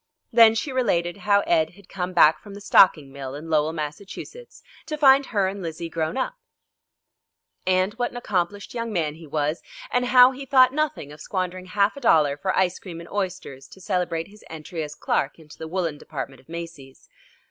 Then she related how Ed had come back from the stocking mill in Lowell, Massachusetts, to find her and Lizzie grown up, and what an accomplished young man he was, and how he thought nothing of squandering half a dollar for ice cream and oysters to celebrate his entry as clerk into the woollen department of Macy's.